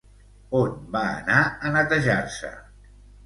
On va anar a netejar-se?